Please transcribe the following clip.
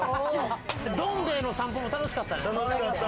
どんべぇの散歩も楽しかったでしょ？